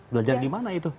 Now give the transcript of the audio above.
belajar di mana itu